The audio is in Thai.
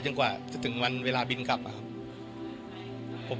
กว่าจะถึงวันเวลาบินกลับอะครับ